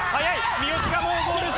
三好がもうゴール下。